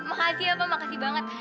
makasih ya pak makasih banget